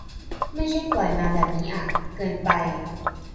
ไม่ใช่ปล่อยมาแบบนี้อะ เกินไป